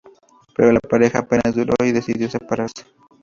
Pero la pareja apenas duro y decidió separarse.